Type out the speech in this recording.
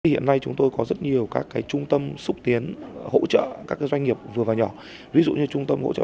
hiện nay chúng tôi có rất nhiều các trung tâm xúc tiến hỗ trợ các doanh nghiệp vừa và nhỏ ví dụ như trung tâm hỗ trợ